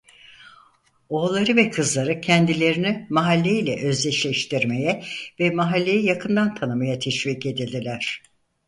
Oğulları ve kızları kendilerini mahalleyle özdeşleştirmeye ve mahalleyi yakından tanımaya teşvik edildiler…